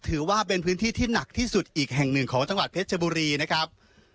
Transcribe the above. ถือว่าเป็นพื้นที่ที่หนักที่สุดอีกแห่งหนึ่งของจังหวัดเพชรบุรีนะครับ